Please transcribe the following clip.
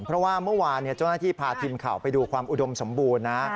เพราะว่าเมื่อวานเจ้าหน้าที่พาทีมข่าวไปดูความอุดมสมบูรณ์นะ